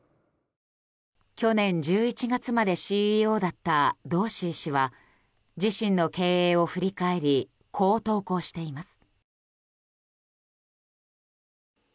去年１１月までＣＥＯだったドーシー氏は自身の経営を振り返りこう投稿しています。